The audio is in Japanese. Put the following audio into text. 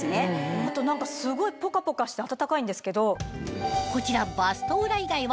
あと何かすごいポカポカして暖かいんですけど。